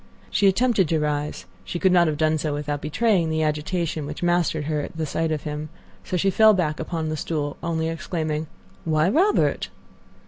She attempted to rise; she could not have done so without betraying the agitation which mastered her at sight of him, so she fell back upon the stool, only exclaiming, "Why, Robert!"